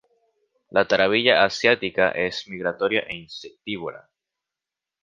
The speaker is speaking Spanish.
La tarabilla asiática es migratoria e insectívora.